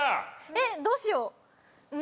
えっどうしよう？